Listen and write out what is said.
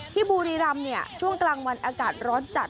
บุรีรำเนี่ยช่วงกลางวันอากาศร้อนจัด